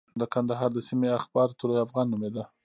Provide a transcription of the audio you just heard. د کندهار د سیمې اخبار طلوع افغان نومېده.